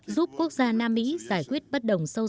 giúp quốc gia nam mỹ giải quyết bất đồng sâu xa